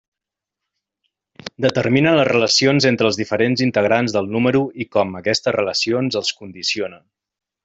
Determina les relacions entre els diferents integrants del número i com aquestes relacions els condicionen.